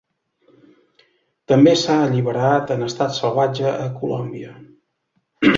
També s'ha alliberat en estat salvatge a Colòmbia.